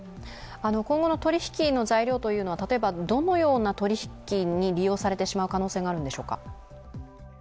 今後の取引の材料というのは例えばどのような取引に利用されてしまう可能性があるのでしょうか。